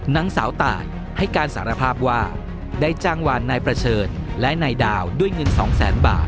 นางสาวตายให้การสารภาพว่าได้จ้างวานนายประเชิญและนายดาวด้วยเงินสองแสนบาท